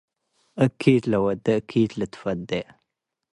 እኪት ለወዴ እኪት ልትፈዴዱዴ።